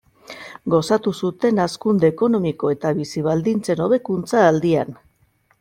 Gozatu zuten hazkunde ekonomiko eta bizi-baldintzen hobekuntza aldian.